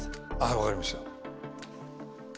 分かりました。